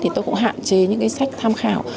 thì tôi cũng hạn chế những cái sách tham khảo